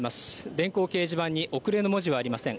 電光掲示板に遅れの文字はありません。